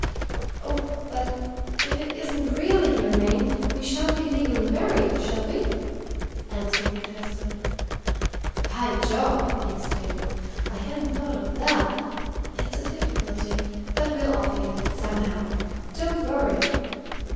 "Oh, but if it isn't really your name, we sha'n't be legally married, shall we?" Annesley protested. "By Jove!" he exclaimed. "I hadn't thought of that. It's a difficulty. But we'll obviate it somehow. Don't worry!